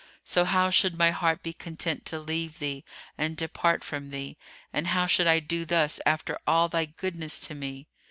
So how should my heart be content to leave thee and depart from thee, and how should I do thus after all thy goodness to me?